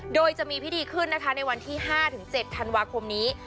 โดยจะมีพิธีขึ้นนะคะในวันที่๕๗ธันวาคมนี้